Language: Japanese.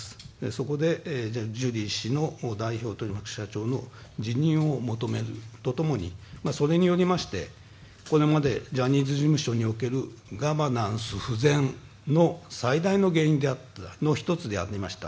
そこでジュリー氏の代表取締役社長の辞任を求めるとともにそれによりましてこれまでジャニーズ事務所におけるガバナンス不全の最大の原因の一つでありました